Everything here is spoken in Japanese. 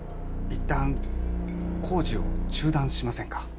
いったん工事を中断しませんか？